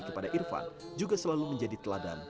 kepada irfan juga selalu menjadi teladan